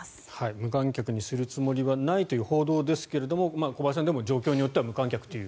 無観客にするつもりはないという報道ですが小林さん、でも状況によっては無観客という。